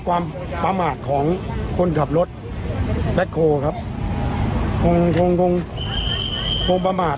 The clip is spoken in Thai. ความประหมาติของคนขับรถแบกโฮครับคงคงคงคงประหมาติ